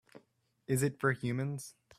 Is it for humans?